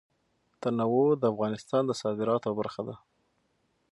تنوع د افغانستان د صادراتو برخه ده.